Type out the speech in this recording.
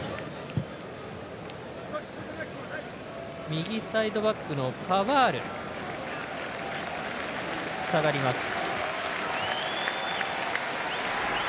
右サイドバックのパバール下がります。